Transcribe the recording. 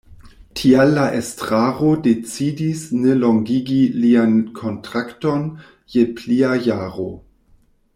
Tial la estraro decidis ne longigi lian kontrakton je plia jaro.